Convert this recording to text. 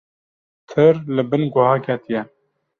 Tir li bin goha ketiye